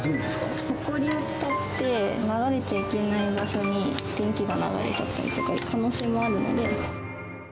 ほこりを伝って流れちゃいけない場所に電気が流れちゃったりという可能性もあるので。